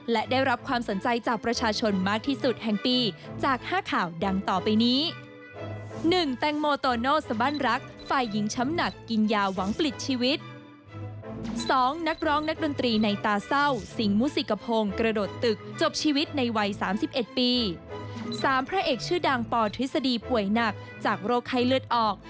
และได้รับความสนใจจากประชาชนมากที่สุดแห่งปีจาก๕ข่าวดังต่อไปนี้